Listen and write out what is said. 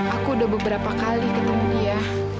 aku udah beberapa kali ketemu dia